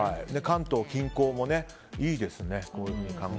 関東近郊もいいですね。